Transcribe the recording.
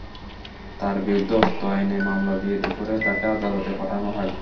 তাঁর বিরুদ্ধে অস্ত্র আইনে মামলা দিয়ে দুপুরে তাঁকে আদালতে পাঠানো হয়।